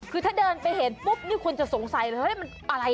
คือถ้าเดินไปเห็นปุ๊บนี่คุณจะสงสัย